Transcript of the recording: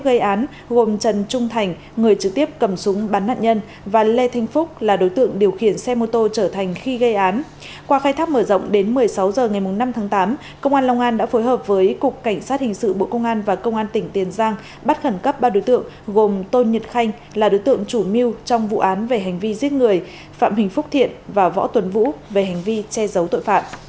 qua khai thác mở rộng đến một mươi sáu h ngày năm tháng tám công an long an đã phối hợp với cục cảnh sát hình sự bộ công an và công an tỉnh tiền giang bắt khẩn cấp ba đối tượng gồm tôn nhật khanh là đối tượng chủ mưu trong vụ án về hành vi giết người phạm hình phúc thiện và võ tuấn vũ về hành vi che giấu tội phạm